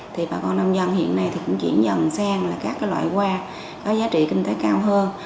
thì bà con nông dân hiện nay thì cũng chuyển dần sang là các loại hoa có giá trị kinh tế cao hơn